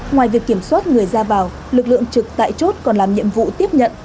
ngoài việc kiểm soát người ra vào lực lượng trực tại chốt còn làm nhiệm vụ tiếp nhận